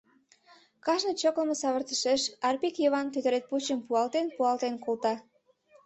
Кажне чоклымо савыртышеш Арпик Йыван тӧтыретпучым пуалтен-пуалтен колта.